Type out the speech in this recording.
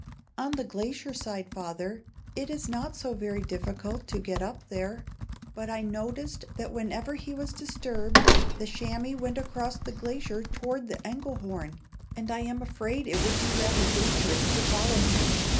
"On the glacier side, father. It is not so very difficult to get up there; but I noticed that whenever he was disturbed, the chamois went across the glacier toward the Engelhorn, and I am afraid it would be rather dangerous to follow him.